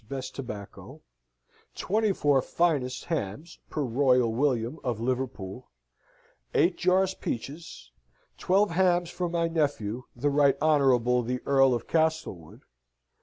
best tobacco, 24 finest hams, per Royal William of Liverpool, 8 jars peaches, 12 hams for my nephew, the Rt. Honourable the Earl of Castlewood.